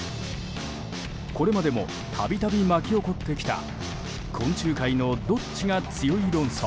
これまでも度々、巻き起こってきた昆虫界のどっちが強い論争。